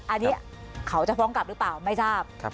อันนี้เขาจะฟ้องกลับหรือเปล่าไม่ทราบ